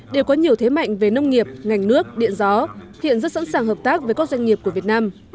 đều có nhiều thế mạnh về nông nghiệp ngành nước điện gió hiện rất sẵn sàng hợp tác với các doanh nghiệp của việt nam